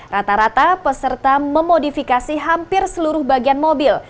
rata rata peserta memodifikasi hampir seluruh bagian mobil